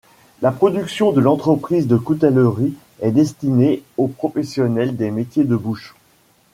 La production de l'entreprise de coutellerie est destinée aux professionnels des métiers de bouche.